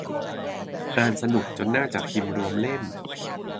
อ่านสนุก จนน่าจะพิมพ์รวมเล่ม